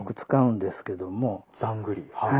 はい。